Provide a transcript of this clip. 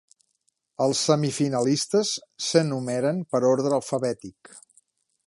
Els semifinalistes s'enumeren per ordre alfabètic.